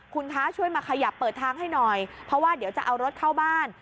คุณคะช่วยมาขยับเปิดทางให้หน่อยเพราะว่าเดี๋ยวจะเอารถเข้าบ้าน